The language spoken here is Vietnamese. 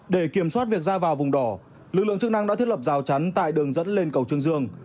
để kiểm soát việc ra vào vùng đỏ lực lượng chức năng đã thiết lập rào chắn tại đường dẫn lên cầu trương dương